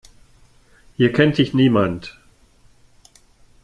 Hier kennt dich niemand.